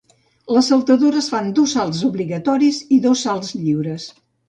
Les saltadores fan dos salts obligatoris i dos salts lliures.